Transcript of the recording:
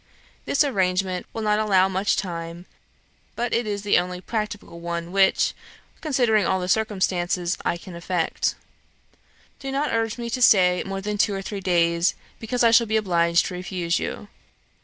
This arrangement will not allow much time, but it is the only practicable one which, considering all the circumstances, I can effect. Do not urge me to stay more than two or three days, because I shall be obliged to refuse you.